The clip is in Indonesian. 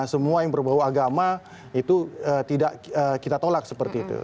semua yang berbau agama itu tidak kita tolak seperti itu